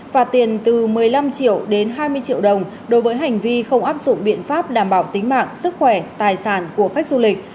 phạt tiền từ một mươi năm triệu đến hai mươi triệu đồng đối với hành vi không áp dụng biện pháp đảm bảo tính mạng sức khỏe tài sản của khách du lịch